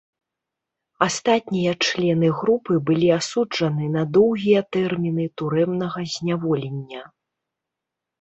Астатнія члены групы былі асуджаны на доўгія тэрміны турэмнага зняволення.